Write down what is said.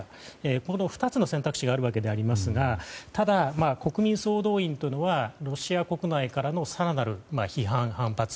この２つの選択肢があるわけでありますがただ、国民総動員というのはロシア国内からの更なる批判、反発